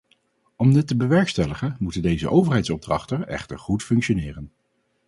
Om dit te bewerkstelligen moeten deze overheidsopdrachten echter goed functioneren.